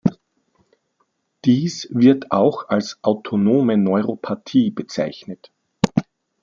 Dies wird auch als autonome Neuropathie bezeichnet.